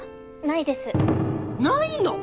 ないの！？